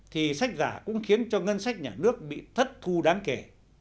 thì sách giả cũng khiến cho ngân sách nhà nước bị thất thu đáng kể